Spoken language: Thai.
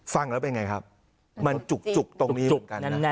ฟังแล้วเป็นไงครับมันจุกตรงนี้เหมือนกันนะ